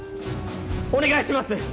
お願いします！